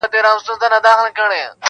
صبر تریخ دی خو میوه یې خوږه ده -